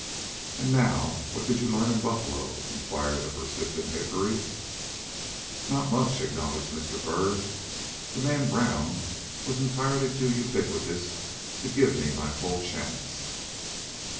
"And, now, what did you learn in Buffalo?" inquired the persistent Hickory. "Not much," acknowledged Mr. Byrd. "The man Brown was entirely too ubiquitous to give me my full chance.